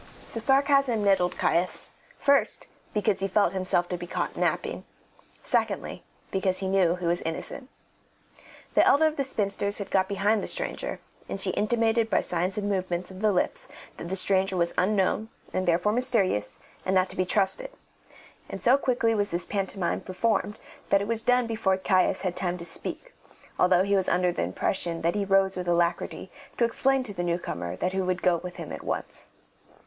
The sarcasm nettled Caius, first, because he felt himself to be caught napping; secondly, because he knew he was innocent. The elder of the spinsters had got behind the stranger, and she intimated by signs and movements of the lips that the stranger was unknown, and therefore mysterious, and not to be trusted; and so quickly was this pantomime performed that it was done before Caius had time to speak, although he was under the impression that he rose with alacrity to explain to the newcomer that he would go with him at once.